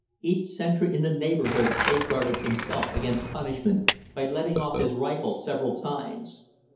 Each sentry in the neighborhood safeguarded himself against punishment by letting off his rifle several times.